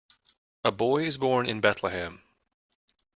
A boy is born in Bethlehem.